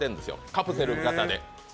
カプセル型で。